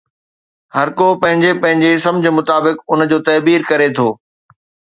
هر ڪو پنهنجي پنهنجي سمجهه مطابق ان جو تعبير ڪري ٿو.